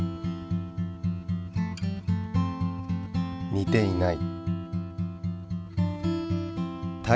似ていない。